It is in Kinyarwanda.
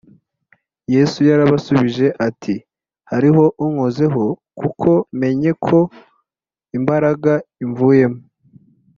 yesu yarabasubije ati: “hariho unkozeho, kuko menye ko imbaraga imvuyemo